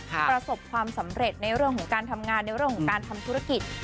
ประสบความสำเร็จในเรื่องของการทำงานในเรื่องของการทำธุรกิจ